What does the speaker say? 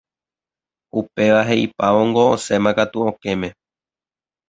Upéva he'ipávongo osẽmakatu okẽme.